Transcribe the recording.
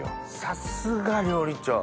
さすが料理長！